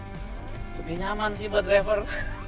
lebih nyaman sih buat driver